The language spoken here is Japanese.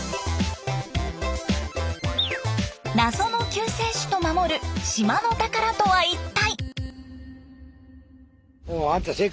謎の救世主と守る島の宝とは一体？